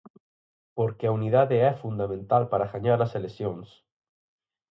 Porque "a unidade é fundamental para gañar as eleccións".